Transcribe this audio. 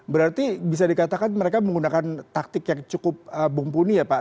berarti bisa dikatakan mereka menggunakan taktik yang cukup bumpuni ya pak